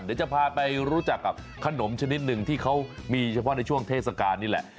เดี๋ยวจะพาไปรู้จักกับขนมชนิดหนึ่งที่เขามีเฉพาะในช่วงเทศกาลนี่แหละ